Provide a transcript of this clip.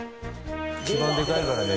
一番でかいからね